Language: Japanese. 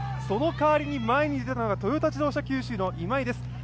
その代わりに前に出たのがトヨタ自動車九州の今井です。